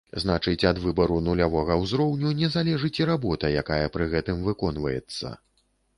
Значыць, ад выбару нулявога ўзроўню не залежыць і работа, якая пры гэтым выконваецца.